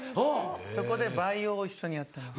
そこで培養を一緒にやってます。